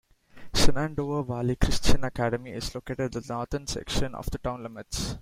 Shenandoah Valley Christian Academy is located at the northern section of the town limits.